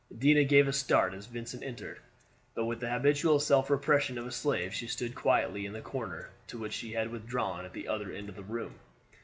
Dinah gave a start as Vincent entered, but with the habitual self repression of a slave she stood quietly in the corner to which she had withdrawn at the other end of the room.